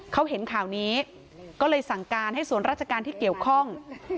เขาเห็นข่าวนี้ก็เลยสั่งการให้ส่วนราชการที่เกี่ยวข้อง